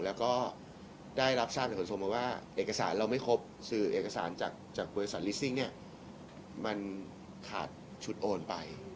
แล้วก็ได้รับทราบในขนส่งมาว่าเอกสารเราไม่ครบสื่อเอกสารจากบริษัทลิสซิ่งเนี่ยมันขาดชุดโอนไป